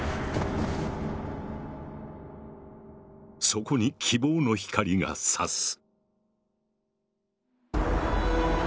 そこに希望の光がさす。